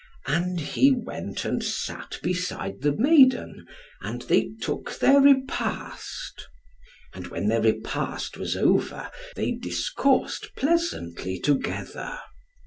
And he went and sat beside the maiden, and they took their repast. And when their repast was over, they discoursed pleasantly together.